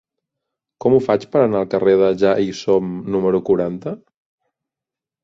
Com ho faig per anar al carrer de Ja-hi-som número quaranta?